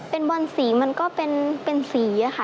เป็นบอนสีมันก็เป็นเป็นสีอะค่ะ